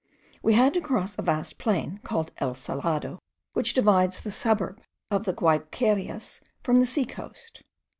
We had to cross a vast plain, called el Salado, which divides the suburb of the Guayquerias from the sea coast.